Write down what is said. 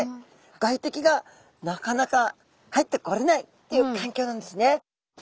外敵がなかなか入ってこれないっていう環境なんですね。